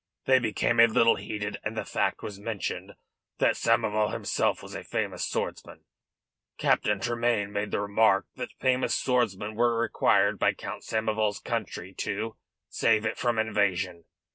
They became a little heated, and the fact was mentioned that Samoval himself was a famous swordsman. Captain Tremayne made the remark that famous swordsmen were required by Count Samoval's country to, save it from invasion.